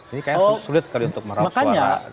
ini kayaknya sulit sekali untuk merap suara milenial